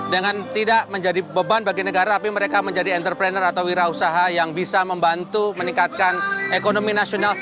dengan tidak menjadi beban bagi negara tapi mereka menjadi entrepreneur atau wira usaha yang bisa membantu meningkatkan ekonomi nasional